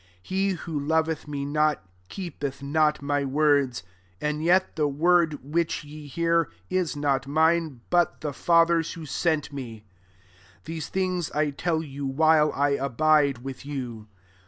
24 He who loveth me not, keepeth not my words : and yet the word which ye hear, is not mine, but the Father^ who sent me. 25 "These things I tell you, while I abide with you.